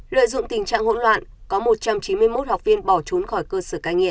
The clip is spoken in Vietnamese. lợi dụng tình trạng hỗn loạn có một trăm chín mươi một học viên bỏ trốn khỏi cơ sở cai nghiện